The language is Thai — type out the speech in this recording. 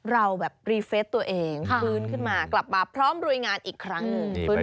เราแบบรีเฟสตัวเองฟื้นขึ้นมากลับมาพร้อมลุยงานอีกครั้งหนึ่ง